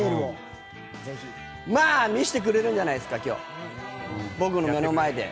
まあ、見せてくれるんじゃないですか、僕の目の前で。